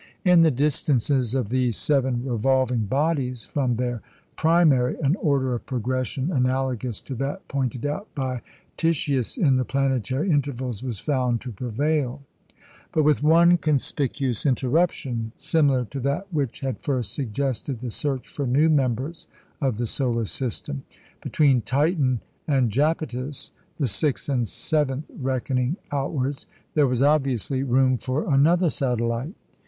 In the distances of these seven revolving bodies from their primary, an order of progression analogous to that pointed out by Titius in the planetary intervals was found to prevail; but with one conspicuous interruption, similar to that which had first suggested the search for new members of the solar system. Between Titan and Japetus the sixth and seventh reckoning outwards there was obviously room for another satellite.